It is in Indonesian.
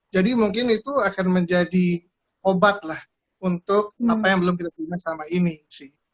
jadi mungkin itu akan menjadi obat lah untuk apa yang belum kita punya selama ini sih